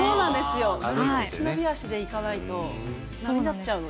忍び足でいかないと波立っちゃうので。